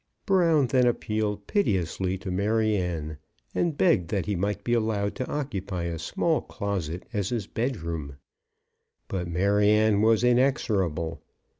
Brown then appealed piteously to Maryanne, and begged that he might be allowed to occupy a small closet as his bed room. But Maryanne was inexorable.